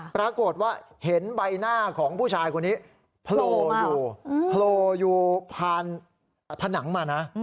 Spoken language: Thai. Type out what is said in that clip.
ปรากฏว่าเห็นใบหน้าของผู้ชายคนนี้โผล่อยู่โผล่อยู่ผ่านผนังมานะ